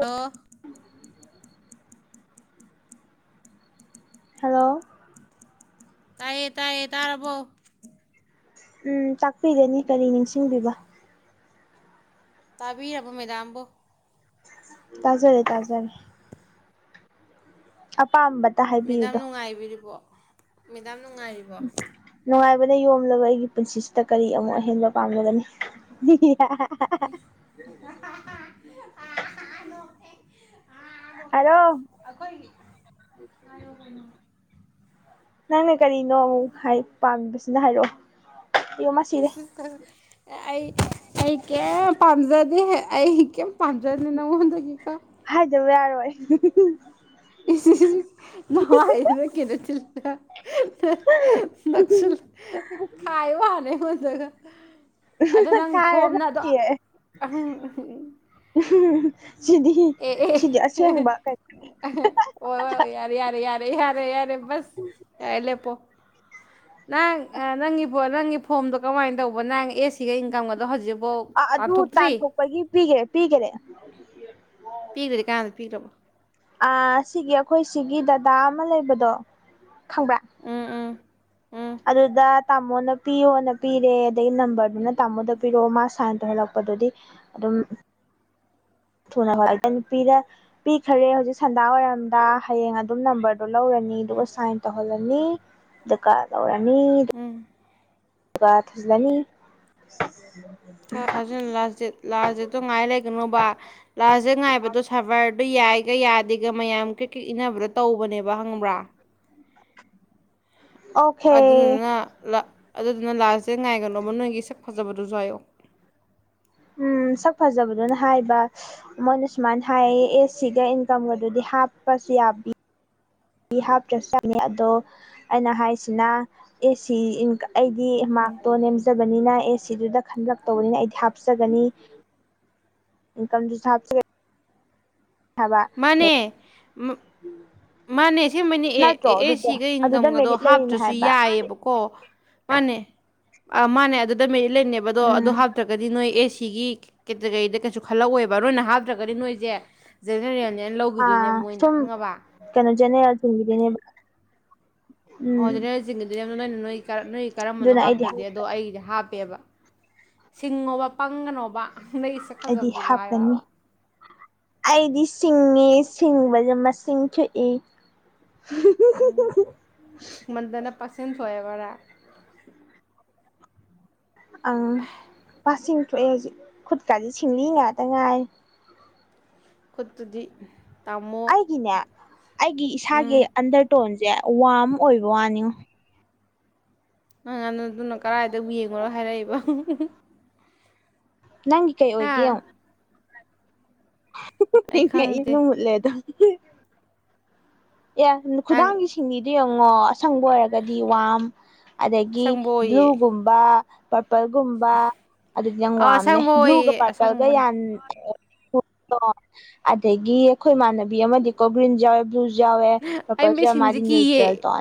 ꯇ ꯍꯂꯣ ꯇꯥꯏꯌꯦ ꯇꯥꯏꯌꯦꯦ ꯇꯥꯔꯔꯕꯣ ꯎꯝ ꯇꯥꯛꯄꯤꯒꯅꯤ ꯀꯔꯤ ꯅꯤꯡꯁꯤꯡꯕꯤꯕ ꯇꯥꯕꯤꯔꯕ ꯃꯗꯥꯝꯕꯣ ꯇꯥꯖꯔꯦ ꯇꯥꯖꯜ ꯑꯄꯥꯝꯕꯗ ꯍꯥꯏꯕꯤꯌꯨꯗꯣ ꯌꯥꯝ ꯅꯨꯡꯉꯥꯏꯔꯤꯕꯣ ꯅ ꯌꯣꯝꯂꯕ ꯑꯩꯒꯤ ꯄꯨꯟꯁꯤꯁꯤꯗ ꯀꯔꯤ ꯑꯃꯨꯛ ꯑꯍꯦꯟꯕ ꯄꯥꯝꯂꯒꯅꯤ [inaudible] ꯑꯗꯣ ꯍꯥꯏꯔꯣ ꯑꯈ ꯀꯅꯣ ꯅꯪꯅ ꯀꯔꯤꯅꯣ ꯑꯃꯨꯛ ꯄꯥꯝꯃꯤꯕꯁꯤꯅ ꯍꯥꯏꯔꯛꯑꯣ ꯑꯌꯣ ꯃꯥ ꯁꯤꯔꯦ ꯑꯩ ꯑꯩ ꯀꯩ ꯄꯥꯝꯖꯗꯦ ꯑꯩ ꯀꯩꯝ ꯄꯥꯝꯖꯦ ꯅꯪꯉꯣꯟꯗꯒꯤꯀ ꯍꯥꯏꯗꯕ ꯌꯥꯔꯣꯏ ꯅꯃꯅ ꯀꯅ ꯆꯜ ꯅꯛꯁꯔ ꯈꯥꯏꯕꯅꯦ ꯑꯗꯨꯒ ꯑꯗꯣ ꯅꯪ ꯀꯥꯏꯔꯒ ꯊꯣꯝꯅꯗꯣ ꯁꯤꯔꯦ ꯎ ꯁꯤꯗꯤ ꯁꯤꯗꯤ ꯑꯁꯦꯡꯕ ꯀꯩꯅꯅꯤ ꯑꯣꯏ ꯑꯣꯏ ꯌꯥꯔꯦ ꯌꯥꯔꯦ ꯌꯥꯔꯦ ꯌꯥꯔꯦ ꯌꯥꯔꯦ ꯁ ꯌꯥ ꯂꯦꯄꯣ ꯅꯪ ꯅꯪꯒꯤ ꯅꯪꯒꯤ ꯐꯣꯝꯗꯣ ꯀꯃꯥꯏꯅ ꯇꯧꯕ ꯅꯪ ꯑꯦ ꯁꯤꯒ ꯏꯟꯀꯝꯒꯗꯣ ꯍꯧꯖꯤꯛ ꯑ ꯑꯗꯨ ꯇꯥꯟꯊꯣꯛꯄꯒꯤ ꯄꯤꯒꯦꯔꯦ ꯄꯤꯒꯦꯔꯦ ꯄꯤꯈ꯭ꯔꯗꯤ ꯀꯥꯟꯅꯗ ꯄꯤꯈ꯭ꯔꯕꯣ ꯑ ꯁꯤꯒꯤ ꯑꯩꯈꯣꯏ ꯁꯤꯒꯤ ꯗꯗꯥ ꯑꯃ ꯂꯩꯕꯗꯣꯪ ꯎꯝ ꯎꯝ ꯑꯗꯨꯗ ꯇꯥꯃꯣꯅ ꯄꯤꯌꯣꯅ ꯄꯤꯔꯦ ꯑꯗꯒꯤ ꯅꯝꯕꯔꯗꯨꯅ ꯇꯥꯃꯣꯗ ꯄꯤꯔꯛꯑꯣ ꯃꯥ ꯁꯥꯏꯟ ꯇꯧꯍꯜꯂꯛꯄꯗꯨꯗꯤ ꯎꯝ ꯊꯨꯅ ꯈꯂ ꯄꯤꯈꯔꯦ ꯍꯧꯖꯤꯛ ꯁꯟꯗꯥ ꯑꯣꯏꯔꯝꯗꯥ ꯍꯌꯦꯡ ꯑꯗꯨꯝ ꯅꯝꯕꯔ ꯑꯗꯨꯣ ꯂꯧꯔꯅꯤ ꯑꯗꯨꯒ ꯎꯝ ꯁꯥꯏꯟ ꯇꯧꯍꯜꯂꯅꯤ ꯑꯗꯨꯒ ꯂꯧꯔꯅꯤ ꯎꯝ ꯑꯗꯨꯒ ꯊꯨꯖꯂꯅꯤ ꯊ ꯊꯥ ꯂꯥꯁ ꯗꯦꯠ ꯂꯥꯁ ꯗꯦꯗꯠꯇꯣ ꯉꯥꯏ ꯂꯩꯒꯅꯣꯕ ꯂꯥꯁ ꯗꯦꯠ ꯉꯥꯏꯕꯗꯣ ꯁꯕꯔꯗ ꯌꯥꯏ ꯌꯥꯏꯒ ꯌꯥꯗꯦꯒ ꯃꯌꯥꯝ ꯀꯩ ꯀꯩ ꯏꯟꯅꯅꯕꯗꯣ ꯇꯧꯕꯅꯦꯕ ꯍꯪꯕ꯭ꯔꯥ [inaudible] ꯑꯣꯀꯦ ꯑꯗꯨꯗꯨꯅ ꯑꯗꯨꯗꯨꯅ ꯂꯥꯁꯇꯦ ꯉꯥꯏꯒꯅꯣꯕ ꯅꯣꯏꯒꯤ ꯁꯛ ꯐꯖꯕꯗꯨꯣꯁꯨꯋ ꯑꯣ ꯎꯝ ꯁꯛ ꯐꯖꯕꯗꯨꯅ ꯍꯥꯏꯕ ꯃꯣꯏꯅ ꯁꯨꯃꯥꯏꯅ ꯍꯥꯏꯌꯦ ꯑꯦꯁ ꯁꯤꯒ ꯏꯟꯀꯝꯒꯗꯨꯗꯤ ꯍꯥꯏ ꯍꯥꯥꯞꯄꯁꯤ ꯌꯥꯕꯤ ꯍꯥꯞꯇ ꯆꯅꯤ ꯑꯗꯣ ꯑꯩꯅ ꯍꯥꯏꯁꯤꯅ ꯑꯦꯁꯤ ꯑꯩꯗꯤ ꯃꯥꯔꯛꯇꯣ ꯅꯦꯝꯖꯕꯅꯤꯅ ꯑꯦ ꯁꯤꯗꯨꯗ ꯈꯟꯂꯔꯛꯇꯧꯕꯅꯤꯅ ꯑꯩꯗꯤ ꯍꯥꯞꯆꯒꯅꯤ ꯏꯟꯀꯝꯁꯨꯞꯁ ꯊꯕ ꯃꯥꯅꯦꯁ ꯑꯁꯕꯅꯤ ꯑꯦ ꯅꯠꯇ꯭ꯔꯣ ꯑꯦ ꯑꯗꯨꯗꯤ ꯁꯤꯒ ꯑꯗꯨꯗ ꯏꯟꯀꯝꯒꯗꯣ ꯃꯦꯔꯤꯠ ꯂꯩꯔꯤꯅꯦ ꯍꯥꯞꯇ꯭ꯔꯁꯨ ꯍꯥꯏꯕ ꯌꯥꯏꯑꯕꯀꯣ ꯃꯥꯅꯦ ꯑ ꯃꯥꯅꯦ ꯑꯗꯨꯗ ꯃꯦꯔꯤꯠ ꯂꯩꯅꯦꯕ ꯑꯗꯣ ꯑꯗꯨ ꯎꯝ ꯍꯥꯞꯇ꯭ꯔꯒꯗꯤ ꯅꯣꯏ ꯑꯦꯁꯤꯒꯤ ꯀꯦꯇꯒꯔꯤꯗ ꯀꯩꯁꯨ ꯈꯜꯂꯛꯑꯣꯦꯕ ꯅꯣꯏꯅ ꯍꯥꯞꯇ꯭ꯔꯒꯗꯤ ꯅꯣꯏꯁꯦ ꯖꯦꯅꯦꯔꯌꯥꯅꯤꯌꯥꯅ ꯂꯧꯈꯤꯗꯣꯏꯅꯦꯕ ꯃꯣꯏꯅ ꯍꯪꯉꯕ ꯖꯅꯦ ꯌꯥ ꯊꯤꯟꯗꯦꯅꯦ ꯑꯣꯅꯦꯗꯤꯣ ꯅ ꯅ ꯅꯣꯏ ꯀꯔꯝꯕꯅꯣ ꯑꯗꯨꯅ ꯑꯩꯗꯤ ꯍꯥꯞꯇ꯭ꯔꯗꯤ ꯑꯗꯣ ꯑꯩꯒꯤꯗꯤ ꯍꯥꯞ ꯍꯥꯞꯄꯦꯕ ꯁꯤꯡꯉꯣꯕ ꯄꯪꯒꯅꯣꯕ ꯅꯪꯒꯤ ꯁꯛ ꯑꯩꯗꯤ ꯐꯖꯕꯗꯨꯁꯨ ꯍꯥꯞꯀꯅꯤ ꯍꯥꯏꯌꯣꯕ ꯑꯩꯗꯤ ꯁꯤꯡ ꯁꯤꯡꯕꯁ ꯃꯁꯤꯡ ꯊꯨꯞꯏ ꯁꯤꯛꯁꯃꯟꯗꯅ ꯄꯥꯔꯁꯦꯟ ꯊꯣꯛꯑꯦꯕꯔꯥ ꯑꯪ ꯄꯕꯥꯁꯤꯡ ꯊꯣꯛꯑꯦ ꯍꯧꯖꯤꯛ ꯈꯨꯠꯀꯁꯤ ꯁꯤꯡꯂꯤ ꯉꯥꯛꯇ ꯉꯥꯏ ꯀꯠꯇꯗꯤ ꯑꯩꯒꯤꯅꯦ ꯑꯩꯒꯤ ꯏꯁꯥꯒꯤ ꯎꯝ ꯑꯟꯗꯔꯇꯣꯟꯁꯦ ꯦ ꯋꯥꯔꯝ ꯑꯣꯏꯕ ꯋꯥꯅꯤ ꯅꯪꯉꯥꯟꯗꯣ ꯑꯗꯨꯅ ꯀꯔꯥꯏꯗꯕꯨ ꯌꯦꯡꯉꯨꯔꯣ ꯍꯥꯏꯔꯛꯏꯕ ꯅꯪꯒꯤ ꯀꯩ ꯑꯣꯏꯒꯦꯨ ꯍꯥ ꯑꯩ ꯈꯪꯗꯦ ꯏꯅꯠꯂꯦꯗ ꯑꯦ ꯈꯨꯗꯥꯡꯒꯤ ꯅꯪ ꯁꯤꯡꯅꯤꯗ ꯌꯦꯡꯉꯣ ꯑꯁꯪꯕ ꯑꯣꯏꯔꯒꯗꯤ ꯋꯥꯝ ꯑꯗꯒꯤ ꯑꯁꯪꯕ ꯑꯣꯏꯌꯦ ꯕ꯭ꯂꯨꯒꯨꯝꯕ ꯄꯔꯄꯜꯒꯨꯝꯕ ꯑꯗꯨꯗꯤ ꯌꯥꯝ ꯑꯥ ꯋꯥꯝꯅꯦ ꯑꯁꯪꯕ ꯕ꯭ꯂꯨꯒ ꯑꯣꯏꯌꯦ ꯄꯔꯄꯜꯒ ꯑꯁꯪꯕꯅꯦ ꯌꯥꯟ ꯑꯗꯒꯤ ꯑꯩꯈꯣꯏ ꯏꯃꯥꯟꯅꯕꯤ ꯑꯃꯗꯤꯀꯣ ꯒ꯭ꯔꯤꯟ ꯌꯥꯎꯋꯦ ꯕ꯭ꯂꯨ ꯌꯥꯋꯦ ꯑꯩ ꯃꯤꯠ ꯄꯄꯖ ꯁꯤꯡꯂꯤꯁꯦ ꯃꯥꯗꯤ ꯅ꯭ꯌꯨꯇ꯭ꯔꯦꯜ ꯀꯤꯌꯦ ꯇ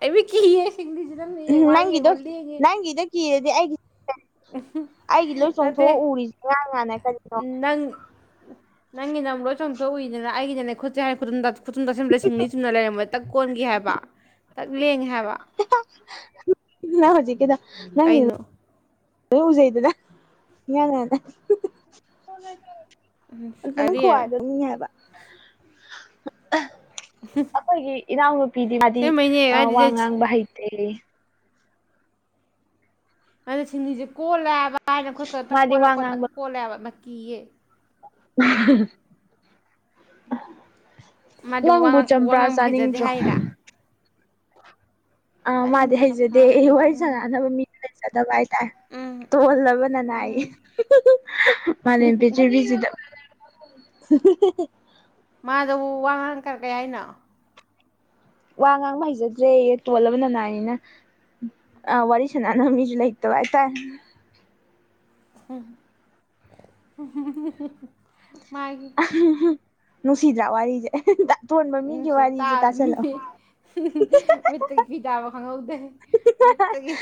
ꯑꯩ ꯃꯤꯠ ꯀꯤꯌꯦ ꯁꯤꯡꯂꯤꯁꯦ ꯅꯪꯅ ꯌꯦꯡꯉꯣ ꯍꯥꯏ ꯅꯪꯒꯤꯗꯣ ꯌꯦꯡꯉꯣ ꯂꯦꯡꯉꯦ ꯅꯪꯒꯤꯗꯣ ꯀꯤꯔꯗꯤ ꯑꯩꯒꯤ ꯑꯩꯒꯤ ꯂꯣꯏ ꯅꯠꯇꯦ ꯆꯣꯡꯊꯣꯛ ꯎꯔꯤꯁꯦ ꯉꯥꯡ ꯉꯥꯟꯅ ꯀꯔꯤꯅꯣ ꯅꯪ ꯅꯪꯒꯤ ꯅ ꯑꯃ ꯂꯣꯏ ꯆꯪꯇ ꯎꯏꯗꯅ ꯑꯩꯒꯤꯅꯦ ꯈꯨꯠꯁꯦ ꯍꯥꯏ ꯈꯨꯟꯗ ꯈꯨꯊꯨꯝ ꯇꯧꯁꯤꯟꯕꯗ ꯂꯤ ꯁꯤꯡꯅꯤ ꯆꯨꯝꯅ ꯂꯩꯔꯝꯕꯗ ꯇꯛ ꯀꯣꯟꯈꯤꯦ ꯍꯥꯏꯕ ꯇꯛ ꯂꯦꯡꯉꯦ ꯍꯥꯏꯕ ꯅ ꯍꯧꯖꯤꯛꯗ ꯅꯪ ꯀꯩꯅꯣ ꯎꯁꯩꯗꯗ ꯌꯦꯅꯅꯦ ꯑꯗꯨꯅ ꯀꯔꯤ ꯈꯋꯥꯏꯗꯅꯤ ꯍꯥꯏꯕ [inaudible] ꯏꯅꯥꯎ ꯅꯨꯄꯤꯗꯤ ꯃꯥꯗꯤ ꯑꯁꯦꯡꯕꯩꯅꯦ ꯋꯥ ꯍꯥꯏꯗꯤ ꯉꯥꯡꯕ ꯍꯩꯇꯦ ꯃ ꯁꯤꯡꯂꯤꯁꯦ ꯀꯣꯜꯂꯦꯕ ꯍꯥꯏꯅ ꯑꯩꯈꯣꯏ ꯀ ꯇꯛ ꯃꯥꯗꯤ ꯋꯥ ꯀꯣꯜꯂꯛ ꯀꯣ ꯇꯛ ꯉꯥꯡꯕ ꯀꯣꯜꯂꯦꯕ ꯃꯀꯤꯌꯦ [inaudible] ꯃꯥꯗꯤ ꯋꯥ ꯅꯪꯕꯨ ꯋꯥ ꯆꯝꯄ꯭ꯔꯥ ꯉꯥꯡꯕ ꯍꯩꯖꯗꯦ ꯆꯥꯅꯤꯡꯗ꯭ꯔꯣ ꯍꯥꯏꯔꯥ ꯑ ꯃꯥꯗꯤ ꯆꯥꯅꯤꯡꯗꯦ ꯍꯩꯖꯗꯦ ꯆꯝꯄ꯭ꯔꯥꯒ ꯑꯩ ꯍꯣꯏ ꯆꯥꯅꯤꯡꯕ ꯆꯅꯅꯕ ꯃꯤꯅ ꯂꯩꯖꯗ ꯎꯝ ꯇꯣꯍꯜꯂꯕꯅꯅ ꯃꯥꯂꯦꯝ ꯄ꯭ꯔꯤꯊꯤꯕꯤꯁꯤꯗ [inaudible] ꯃꯥꯗꯕꯨ ꯋꯥ ꯉꯥꯡ ꯀꯔ ꯀꯩ ꯍꯥꯏꯅ ꯋꯥ ꯉꯥꯡꯕ ꯍꯩꯖꯗ꯭ꯔꯦ ꯇꯣꯜꯂꯕ ꯅꯅꯥꯏꯅꯤꯅ ꯑ ꯋꯥꯔꯤꯔꯁꯅꯅꯣ ꯃꯤꯁꯨ ꯂꯩ ꯏꯇ ꯇꯥꯏ [inaudible] ꯅꯨꯡꯁꯤꯗ꯭ꯔꯥ ꯋꯥꯔꯤꯁꯦ ꯇꯣꯟꯕ ꯃꯤꯒꯤ ꯅꯨꯡꯁꯤ ꯇꯥ ꯋꯥꯔꯤꯁꯦ ꯇꯥꯁꯜꯂꯛꯑꯣ ꯃꯤꯠꯇꯒꯤ ꯐꯤꯗꯥꯕ ꯈꯪꯍꯧꯗꯦ ꯃꯤꯦꯠꯇꯒꯤ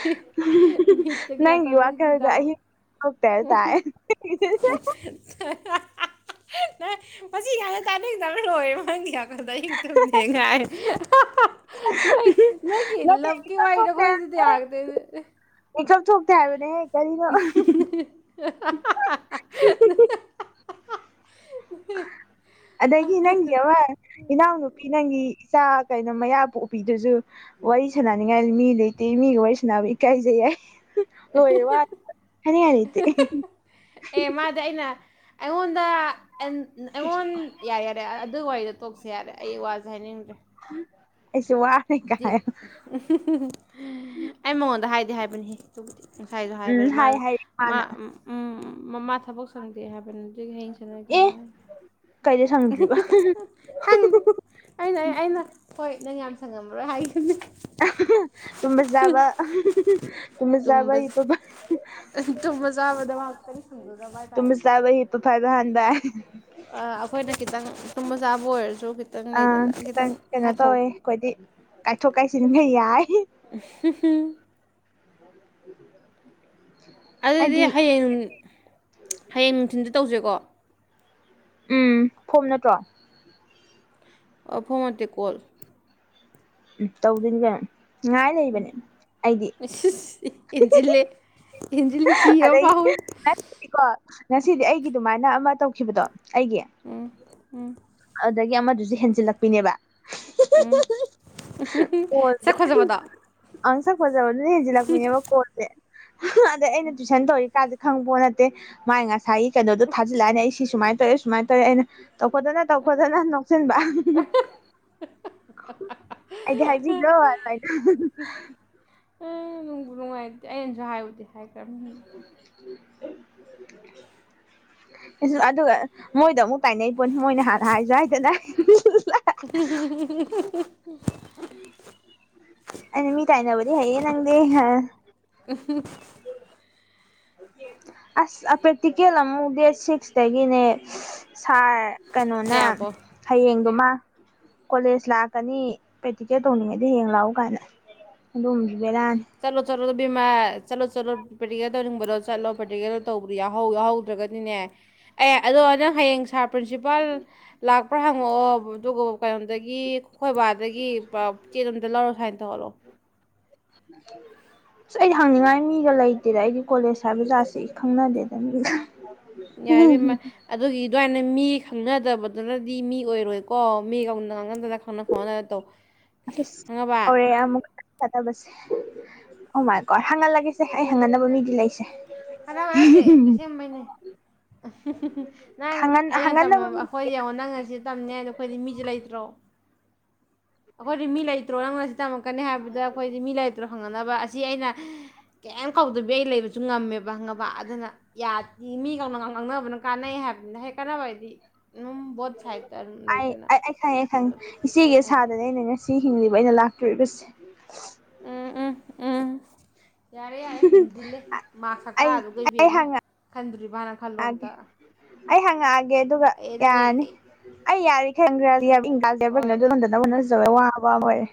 ꯃꯤꯠꯇꯒꯤ ꯌꯨ ꯋꯥ ꯅꯥꯇꯣꯟꯗꯒꯤ ꯐꯤ ꯈꯔꯗ ꯇꯥꯕ ꯇꯔ ꯇ ꯅ ꯃꯁꯤ ꯌꯥꯝꯅ ꯇꯥꯅꯩꯗꯕꯅ ꯂꯣꯏꯪꯗꯤꯥꯛ ꯀꯗ ꯇ ꯃꯦꯉ ꯅ ꯅ ꯈ ꯅꯠꯇꯦ ꯂꯕꯀꯤ ꯏꯀꯞ ꯋꯥꯏ ꯊꯣꯛꯇꯦ ꯂꯣꯗꯤ ꯇꯌꯥꯒꯗ ꯊꯣꯛꯣꯛ ꯊꯕꯅꯦ ꯀꯔꯤꯅꯣ ꯑ ꯎ ꯎ ꯑꯗꯒꯤ ꯅꯪꯒꯤ ꯑꯃ ꯏꯅꯥꯎꯅꯨꯄꯤ ꯅꯪꯒꯤ ꯏꯆꯥ ꯀꯩꯅꯣ ꯃꯌꯥ ꯄꯨ ꯎꯄꯤꯗꯁꯨ ꯋꯥꯔꯤ ꯁꯥꯟꯅꯅꯤꯡꯉꯥꯏ ꯃꯤ ꯂꯩꯇꯦ ꯃꯤꯒ ꯋꯥꯔꯤ ꯁꯥꯟꯅꯕ ꯏꯀꯥꯏꯖꯩ ꯌꯥꯏ ꯍꯣꯏ ꯋꯥ ꯍꯅꯤꯌꯥꯅꯤꯠꯇ ꯑꯦ ꯃꯥꯗꯤ ꯑꯩꯅ ꯑꯩꯉꯣꯟꯗ ꯑꯩꯉꯣꯟ ꯌꯥꯔꯦ ꯌꯥꯔꯦ ꯑꯗꯨ ꯋꯥꯔꯤꯗ ꯇꯣꯛꯁ ꯌꯥꯔꯦ ꯑꯩ ꯋꯥꯁꯦ ꯍꯥꯏꯅꯤꯡꯗ꯭ꯔꯦ ꯑꯩꯁꯨ ꯋꯥꯔꯦ ꯀꯥꯏ ꯑꯩ ꯃꯉꯣꯟꯗ ꯍꯥꯏ ꯍꯥꯏꯕꯅꯤ ꯉꯁꯥꯏꯁꯨ ꯎꯝ ꯍꯥꯏꯕꯅꯤ ꯍꯥꯏ ꯃꯥꯅ ꯍꯥꯏꯔꯦ ꯃꯥ ꯃꯥꯅ ꯎ ꯃꯃꯥ ꯊꯕꯛ ꯁꯪꯗꯦ ꯍꯥꯏꯕꯅ ꯑꯗꯨ ꯍꯌꯦꯡ ꯁꯥꯟꯅꯒꯦ ꯑꯦ ꯍꯥꯏꯌꯦ ꯀꯩꯗ ꯁꯪꯗ꯭ꯔꯤꯕ ꯈꯪꯗꯦ ꯑꯩꯅ ꯑꯩꯅ ꯍꯣꯏ ꯅꯪ ꯌꯥꯝ ꯁꯪꯉꯝꯃꯔꯣꯏ ꯍꯥꯏꯈꯤꯕꯅꯤ ꯇ ꯆꯕ ꯇꯃ ꯆꯕ ꯏꯇꯣ ꯃꯖꯥ ꯇꯃꯤ ꯆꯕꯍꯤꯄ ꯐꯥꯏꯕ ꯍꯥꯟꯗ [inaudible] ꯁ ꯃꯁꯥꯕ ꯑꯣꯏ ꯑ ꯈꯤꯇꯪ ꯀꯩꯅꯣ ꯇꯧꯋꯦ ꯑꯩꯈꯣꯏꯗꯤ ꯀꯥꯏꯊꯣꯛ ꯀꯥꯏꯁꯤ ꯑꯗꯨ ꯍꯩꯌꯦ [unintelligible] [inaudible] ꯎ [unintelligible] [inaudible] ꯑꯗꯨꯗꯤ ꯍꯌꯦꯡ ꯍꯌꯦꯡ ꯅꯨꯡꯊꯤꯟꯗ ꯇꯧꯁꯦꯀꯣ ꯎꯝ ꯐꯣꯝ ꯅꯠꯇ꯭ꯔꯣ ꯐꯣꯟ ꯇ ꯀꯣꯜ ꯎꯝ ꯇꯧꯗꯣꯏꯅꯤ ꯀꯩꯅꯣ ꯉꯉꯥꯏ ꯂꯩꯕꯅꯦ ꯑꯩꯗꯤ ꯍꯦꯟꯖꯤꯜꯂꯦ ꯍꯦꯟꯖꯤꯜꯂꯦ ꯀꯤꯕ ꯑꯗꯩ ꯐꯥꯎꯋꯦ ꯉꯁꯤꯗꯤꯀꯣ ꯉꯁꯤꯗꯤ ꯑꯩꯒꯤ ꯑꯗꯨꯃꯥꯏꯅ ꯑꯃ ꯇꯧꯈꯤꯕꯗꯣ ꯑꯩꯒꯤ ꯎꯝ ꯎꯝ ꯑꯗꯨꯗꯒꯤ ꯑꯃꯗꯨꯁꯨ ꯍꯦꯟꯖꯤꯜꯂꯛꯄꯤꯅꯦꯕ ꯎꯝ ꯆ ꯈꯣꯖꯕꯗ ꯑꯪ ꯁꯛ ꯍꯣꯏꯖꯕꯗꯦꯖꯖꯤꯂꯛꯨꯡ ꯌꯕ ꯀꯣꯏꯗꯦ ꯑꯗꯩ ꯑꯩꯅ ꯇꯨꯏꯁꯟ ꯇꯧꯔꯤꯀꯥꯟꯥꯁꯦ ꯈꯪꯕ ꯄꯣꯠ ꯅꯠꯇꯦ ꯃꯥꯏ ꯉꯁꯥꯏꯒꯤ ꯀꯩꯅꯣꯗꯣ ꯊꯥꯖꯤꯜꯂꯛꯑꯅꯤ ꯑꯩ ꯁꯤ ꯁꯨꯃꯥꯏꯅ ꯇꯧꯔꯦ ꯁꯨꯃꯥꯏꯅ ꯇꯧꯋꯦ ꯑꯩꯅ ꯇꯧꯈꯗꯅ ꯇꯧꯈꯗꯅ ꯅꯣꯛꯁꯤꯟꯕ ꯑꯩꯗꯤ ꯍꯥꯏꯕꯤꯂꯣꯔꯅ ꯑ ꯅꯨꯡꯕꯨ ꯅꯨꯡꯉꯥꯏꯇꯦ ꯑꯩꯅꯁꯨ ꯍꯥꯏꯔꯨꯗꯦ ꯍꯥꯏꯈ꯭ꯔ ꯑꯗꯨꯗ ꯃꯣꯏꯗ ꯑꯃꯨꯛ ꯀꯥꯏꯅꯩ ꯄꯣꯠꯅꯤ ꯃꯣꯏꯅ ꯍꯥꯟꯅ ꯍꯥꯏꯁꯨ ꯍꯥꯏꯗꯅ [unintelligible] [inaudible] ꯑ ꯃꯤ ꯀꯥꯏ ꯅꯕꯨ ꯍꯥꯏꯌꯦ ꯅꯪꯗꯦ ꯎ [unintelligible] [inaudible] ꯑꯁ ꯄ꯭ꯔꯦꯛꯇꯤꯀꯦꯜ ꯑꯃꯨꯛ ꯗꯦꯠ ꯁꯤꯛꯁꯇꯒꯤꯅꯦ ꯁꯥꯔ ꯀꯩꯅꯣꯅ ꯀꯌꯥꯕꯣ ꯍꯌꯦꯡꯗꯨꯃ ꯀꯣꯂꯦꯖ ꯂꯥꯛꯀꯅꯤ ꯄ꯭ꯔꯦꯛꯇꯤꯀꯦꯜ ꯇꯧꯅꯤꯡꯉꯩꯗꯤ ꯍꯌꯦ ꯂꯥꯛꯑꯣ ꯀꯥꯏꯅ ꯑꯗꯨ ꯏꯦꯗꯥ ꯆꯠꯂꯣꯕꯤꯃ ꯆꯠꯂꯣ ꯆꯠꯂꯣ ꯄ꯭ꯔꯦꯛꯇꯤꯀꯦ ꯇꯧꯅꯤꯡꯕꯗꯣ ꯆꯠꯂꯣ ꯄ꯭ꯔꯦꯛꯇꯤꯀꯗ ꯇꯧꯕꯗꯤ ꯌꯥ ꯌꯥꯎꯍꯧꯗ꯭ꯔꯒꯗꯤꯅꯦ ꯑꯦ ꯑꯗꯣ ꯅꯪ ꯍꯌꯦꯡ ꯁꯥꯔ ꯄ꯭ꯔꯤꯟꯁꯤꯄꯥꯜ ꯂꯥꯛꯄ꯭ꯔꯥ ꯍꯪꯉꯛꯑꯣ ꯑꯗꯨꯒ ꯀꯩꯅꯣꯝꯗꯒꯤ ꯈꯣꯏꯕꯥꯗꯒꯤ ꯆꯦꯂꯝꯗ ꯂꯧꯔꯣ ꯁꯨꯃꯥꯏꯅ ꯇꯧꯍꯜꯂꯣ [unintelligible] [inaudible] ꯑꯁ ꯑꯩꯗꯤ ꯍꯪꯅꯤꯡꯉꯥꯏ ꯃꯤꯒ ꯂꯩꯇꯦꯗ ꯑꯩꯗꯤ ꯀꯣꯂꯦꯖ ꯍꯥꯏꯕꯖꯥꯠꯁꯦ ꯑꯩ ꯈꯪꯅꯗꯦꯗ ꯃꯤ ꯌꯥꯔꯤꯕꯃ ꯑꯗꯨꯒꯤ ꯑꯗꯨꯋꯥꯏ ꯃꯤ ꯈꯪꯅꯗꯕꯗꯨꯅꯗꯤ ꯃꯤ ꯑꯣꯏꯔꯣꯏꯀꯣ ꯃꯤ ꯀꯧꯅ ꯈꯪꯅꯗꯅ ꯈꯪꯅ ꯈꯣꯠꯅ ꯇꯧ ꯈꯪꯉꯅꯕ ꯆꯠꯇꯕꯁꯦ ꯑꯗꯨꯃꯥꯏꯀꯣ ꯍꯪꯍꯜꯂꯒꯦꯁꯦ ꯑꯩ ꯍꯪꯒꯟꯅꯅꯕ ꯃꯤꯗꯤ ꯂꯩꯁꯦ ꯀꯅꯥꯕꯔꯠꯇꯦꯁ ꯃꯅꯦ ꯅꯪ ꯍꯪꯍꯟ ꯑꯩꯅ ꯍꯪꯍꯟꯅꯕ ꯃꯤ ꯑꯩꯈꯣꯏ ꯌꯦꯡꯉꯣ ꯅꯪ ꯉ ꯁꯤ ꯇꯝꯅꯦ ꯑꯗꯣ ꯑꯩꯈꯣꯏꯗꯤ ꯃꯤꯁꯦ ꯂꯩꯇ꯭ꯔꯣ ꯑꯩꯈꯣꯏꯗꯤ ꯃꯤ ꯂꯩꯇ꯭ꯔꯣ ꯅꯪꯣꯟꯅ ꯁꯤ ꯇꯝꯃꯛꯀꯅꯤ ꯍꯥꯏꯕꯗ ꯑꯩꯈꯣꯏꯗꯤ ꯃꯤ ꯂꯩ ꯈ ꯐꯪꯅꯅꯕ ꯑꯁꯤ ꯑꯩꯅ ꯀꯩꯝ ꯀꯧꯗꯕꯤ ꯑꯩ ꯂꯩꯕꯁꯨ ꯉꯝꯃꯦꯕ ꯍꯥꯏꯕ ꯍꯪꯉꯕ ꯑꯗꯨꯅ ꯌꯥꯗꯦ ꯃꯤꯒꯅ ꯉꯥꯡꯅꯕꯅ ꯀꯥꯟꯅꯩ ꯍꯥꯏꯕꯅꯤꯅ ꯍꯦꯛ ꯀꯥꯟꯅꯕ ꯍꯥꯏꯗꯤ ꯑꯗꯨꯝ ꯕꯣꯠ ꯁꯥꯏꯠꯇ ꯑꯗꯨꯝ ꯑꯩ ꯂꯩꯗꯅ ꯑꯩ ꯑꯩ ꯈꯪꯉꯦ ꯈꯪꯉꯦ ꯏꯆꯦꯒꯤ ꯍꯥꯏꯗꯤ ꯁꯥꯗꯅꯦ ꯑꯩꯅ ꯉꯁꯤ ꯍꯤꯡꯂꯤꯕ ꯑꯩꯅ ꯂꯥꯛ ꯇꯕꯁ ꯎꯝ ꯎꯝ ꯎꯝ ꯌꯥꯔꯦ ꯌꯥꯔꯦ ꯍꯦꯟꯖꯤꯜꯂꯦ ꯃꯥ ꯁꯛꯇ ꯑꯩ ꯑꯗꯨ ꯀꯩꯕꯤ ꯑꯩ ꯑꯃ ꯈꯟꯗ꯭ꯔꯤꯕꯅ ꯈꯜꯂꯣ ꯍꯪꯉꯛꯑꯒꯦ ꯑꯝꯇ ꯑꯩ ꯍꯪꯉꯛꯑꯒꯦ ꯑꯗꯨꯒ ꯑꯦ ꯅꯪ ꯌꯥꯔꯅꯤ ꯑꯩ ꯌꯥꯅꯤ ꯈꯪꯈ꯭ꯔ ꯁꯤ ꯏꯪꯒꯥꯗꯦꯕꯪꯅ ꯍꯣꯏ ꯑꯗꯨ ꯍꯝꯗꯅꯕ ꯍꯣꯠꯅꯖꯧꯋꯦ ꯋꯥꯕ ꯑꯣꯏꯔꯦ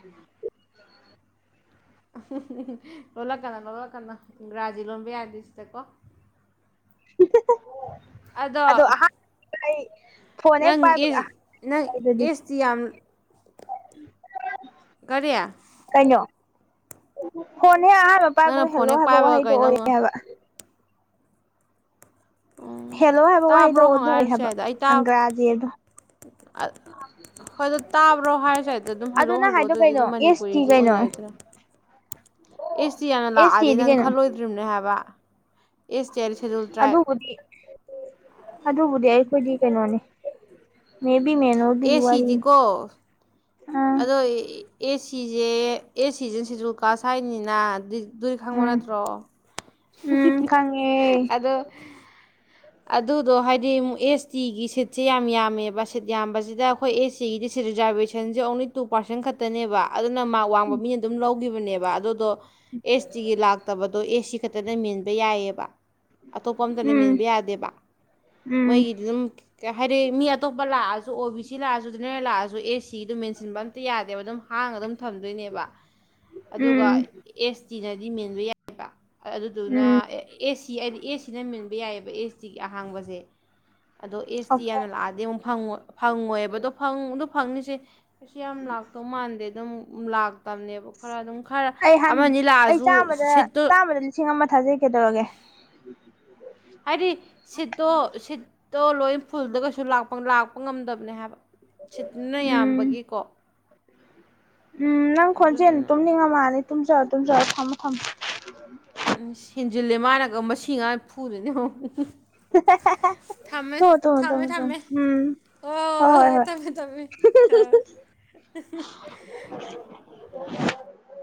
ꯂꯣꯜꯠꯂꯛꯀꯅꯣ ꯂꯣꯠꯂꯛꯀꯅꯣ ꯔꯥꯖꯤ ꯂꯣꯟꯕ ꯌꯥꯗꯣꯏ ꯁꯤꯗꯀꯣ ꯑꯗꯣ ꯐꯣꯟꯅ ꯍꯦꯛ ꯅꯪ ꯏꯁ ꯅꯪ ꯄꯥꯏꯕꯒꯗꯤ ꯑꯦꯁꯇꯤ ꯌꯥꯝ ꯀꯔꯤꯌꯥ ꯍꯣꯟ ꯍꯦ ꯑꯍꯥꯟꯕ ꯅꯪꯅ ꯄꯥꯏꯕꯒ ꯐꯣꯟ ꯍꯦꯜꯂꯣ ꯍꯦꯛ ꯍꯥꯏꯕ ꯄꯥꯏꯕꯒ ꯋꯥꯍꯩꯗꯣ ꯀꯩꯅꯣꯉꯣ ꯑꯣꯏꯌꯦ ꯍꯥꯏꯕ ꯎꯝ ꯍꯦꯜꯂꯣ ꯍꯥꯏꯕ ꯋꯥꯍꯩꯗꯣ ꯇꯥꯕ꯭ꯔꯣ ꯑꯗꯨꯣꯛꯏ ꯍꯪꯉꯛꯑꯁꯨ ꯍꯥꯏꯕ ꯑꯪꯒ꯭ꯔꯥꯖꯤꯦ ꯑꯗ ꯑ ꯍꯣꯏ ꯑꯗꯨ ꯇꯥꯕ꯭ꯔꯣ ꯍꯥꯏꯔꯁꯦ ꯍꯥꯏꯗ ꯑꯗꯨꯝ ꯑꯗꯨ ꯍꯜꯂꯛꯑꯣ ꯅꯪ ꯍꯜꯂꯛꯑꯣ ꯍꯥꯏꯗꯣ ꯑꯗꯨꯗꯤ ꯀꯩꯅꯣ ꯑꯗꯨꯝ ꯑꯦꯁ ꯇꯤ ꯃꯅꯤꯄꯨꯔꯤꯁꯨ ꯀꯩꯅꯣ ꯑꯣꯏꯅꯩꯗꯅ ꯑꯦꯁ ꯇꯤ ꯌꯥꯝꯅ ꯑꯦꯁ ꯂꯥꯛꯑꯗꯤ ꯇꯤꯗꯤ ꯅꯪ ꯀꯩꯅꯣ ꯈꯜꯂꯣꯏꯗ꯭ꯔꯤꯕꯅꯦ ꯍꯥꯏꯕ ꯏꯁ ꯆꯦꯔꯤ ꯁꯦꯗꯨꯜ ꯇ꯭ꯔꯥꯏꯞ ꯑꯗꯨꯕꯨꯗꯤ ꯑꯗꯨꯕꯨꯗꯤ ꯑꯩꯈꯣꯏꯗꯤ ꯀꯩꯅꯣꯅꯦ ꯃꯦꯕꯤ ꯃꯦꯅꯣꯗꯤ ꯑꯦ ꯋꯥꯔꯤꯅꯤ ꯁꯤꯗꯤꯀꯣ ꯑꯥ ꯑꯗꯣ ꯑꯦꯁꯤꯁꯦ ꯑꯦꯁꯤꯁꯦ ꯁꯤꯦꯗꯨꯜ ꯀꯥꯁ ꯍꯥꯏꯅꯤꯅ ꯗꯨꯏ ꯈꯪꯕ ꯎꯝ ꯅꯠꯇ꯭ꯔꯣ ꯎꯝ ꯈꯪꯉꯦ ꯑꯗꯣ ꯑꯗꯨꯗꯣ ꯍꯥꯏꯗꯤ ꯑꯃꯨꯛ ꯑꯦꯁ ꯇꯤꯒꯤ ꯁꯤꯠꯁꯦ ꯌꯥꯝ ꯌꯥꯝꯃꯦꯕ ꯁꯤꯠ ꯌꯥꯝꯕꯁꯤꯗ ꯑꯩꯈꯣꯏ ꯑꯦꯁ ꯇꯤꯒꯤꯗꯤ ꯁꯤ ꯔꯤꯖꯥꯔꯕꯦꯁꯟꯁꯦ ꯇꯨ ꯄꯥꯔꯁꯦꯟ ꯈꯅꯦꯕ ꯑꯗꯨꯅ ꯋꯥꯡꯕꯅ ꯑꯗꯨꯝ ꯍꯧꯈꯤꯕꯅꯦꯕ ꯑꯗꯨꯗꯣ ꯑꯦꯁ ꯇꯤꯒꯤ ꯂꯥꯛꯇꯕꯗꯣ ꯑꯦꯁ ꯁꯤ ꯈꯛꯇꯅ ꯃꯦꯟꯕ ꯌꯥꯏꯑꯕ ꯑꯇꯣꯞꯄ ꯑꯃꯝꯇ ꯎꯝ ꯂꯩꯃꯤꯦꯟꯕ ꯌꯥꯗꯦꯕ ꯎꯝ ꯃꯣꯏꯒꯤꯗꯤ ꯑꯗꯨꯝ ꯩ ꯍꯥꯏꯗꯤ ꯃꯤ ꯑꯇꯣꯞꯄ ꯂꯥꯛꯑꯁꯨ ꯑꯣ ꯕꯤ ꯁꯤ ꯂꯥꯛꯑꯁꯨ ꯖꯦꯅꯔꯦꯜ ꯂꯥꯛꯑꯁꯨ ꯑꯦ ꯁꯤ ꯑꯗꯨꯝ ꯃꯦꯟꯁꯤꯟꯕ ꯑꯝꯇ ꯌꯥꯗꯦꯕ ꯑꯗꯨꯝ ꯍꯥꯡꯉ ꯑꯗꯨꯝ ꯊꯝꯗꯣꯏꯅꯦꯕ ꯑꯗꯨꯒ ꯎꯝ ꯑꯦꯁ ꯇꯤꯅꯗꯤ ꯃꯦꯟꯕ ꯌꯥꯏꯑꯕ ꯑꯗꯨꯗꯨꯅ ꯎꯝ ꯑꯦ ꯁꯤ ꯍꯥꯏꯗꯤ ꯑꯦ ꯁꯤꯅ ꯃꯟꯕ ꯌꯥꯏꯑꯕ ꯑꯦꯁ ꯇꯤꯒꯤ ꯑꯍꯥꯡꯕꯁꯦ ꯑꯗꯣ ꯑꯦꯁ ꯇꯤ ꯑꯣꯀꯦ ꯌꯥꯝꯅ ꯂꯥꯛꯑꯗꯤ ꯑꯃꯨꯛ ꯐꯪꯉꯣꯏꯕ ꯑꯗꯣ ꯑꯗꯣ ꯐꯪꯅꯤꯁꯦ ꯑꯩꯁꯨ ꯌꯥꯝ ꯂꯥꯛꯇꯧ ꯃꯥꯟꯗꯦ ꯑꯗꯨꯝ ꯇꯅꯦꯕ ꯈꯔ ꯑꯗꯨꯝ ꯈꯔ ꯑꯩ ꯍꯥꯟ ꯑꯃꯅꯤ ꯑꯩ ꯂꯥꯛꯑꯁꯨ ꯆꯥꯝꯃꯗ ꯁꯤꯠꯇꯨ ꯎꯝ ꯍꯥꯏꯗꯤ ꯁꯤꯠꯇꯣ ꯁꯤꯠꯇꯣ ꯂꯣꯏ ꯐꯨꯜꯗ ꯀꯩꯁꯨꯄ ꯂꯥꯛꯄ ꯉꯝꯗꯕꯅꯦ ꯍꯥꯏꯕ ꯁꯤꯠꯅ ꯎꯝ ꯌꯥꯝꯕꯒꯤꯀꯣ ꯎꯝ ꯅꯪ ꯈꯣꯟꯖꯦꯜ ꯑꯗꯨꯗꯨꯅ ꯇꯨꯝꯅꯤꯡꯉ ꯃꯥꯅꯤ ꯇꯨꯝꯖꯧꯔꯣ ꯇꯨꯝꯖꯔ ꯊꯝꯃꯣ ꯊꯝꯃ ꯎ ꯁꯦꯟꯖꯤꯜꯂꯦ ꯃꯥꯅꯒ ꯃꯁꯤꯡ ꯉꯥꯏ ꯐꯨꯗꯅꯤ [unintelligible] ꯊꯝꯃꯦ ꯇꯨꯝꯃꯣ ꯇꯨꯝꯃꯣ ꯊꯝꯃꯦ ꯇꯨꯝꯃꯣ ꯇꯨꯝꯃꯣ ꯊꯝꯃꯦ ꯎꯝ ꯍ ꯍꯣꯏ ꯍꯣꯏ ꯊꯝꯃꯦ ꯊꯝꯃꯦ ꯍꯣꯏ [unintelligible] [unintelligible]